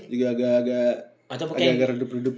juga agak agak redup redup